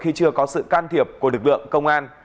khi chưa có sự can thiệp của lực lượng công an